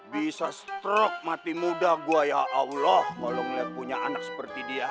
bisa stroke mati muda gua ya allah kalau melihat punya anak seperti dia